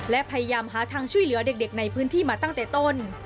และพยายามหาทางช่วยเหลือเด็กในพื้นที่มาตั้งแต่ต้น